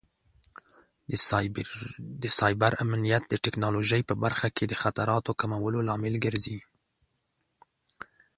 د سایبر امنیت د ټکنالوژۍ په برخه کې د خطراتو کمولو لامل ګرځي.